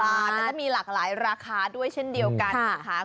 แล้วก็มีหลากหลายราคาด้วยเช่นเดียวกันนะคะ